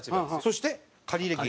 そして借入金。